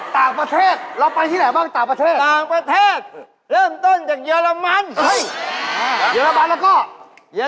ต่างประเทศเราไปที่ไหนบ้างต่างประเทศ